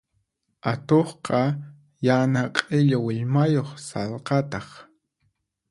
Atuqqa yana q'illu willmayuq sallqataq.